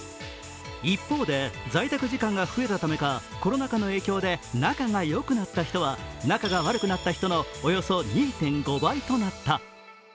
一方で在宅時間が増えたためか、コロナ禍の影響で仲が良くなった人は仲が悪くなった人のおよそ２．５倍となった。